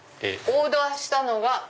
オーダーしたのが？